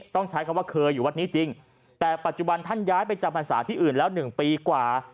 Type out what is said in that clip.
ต้องใช้คำว่าเคยอยู่วัดนี้จริงแต่ปัจจุบันท่านย้ายไปจำพรรษาที่อื่นแล้ว๑ปีกว่า